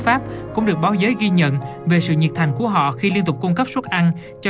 pháp cũng được báo giới ghi nhận về sự nhiệt thành của họ khi liên tục cung cấp suất ăn cho